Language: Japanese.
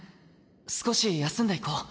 少し休んでいこう。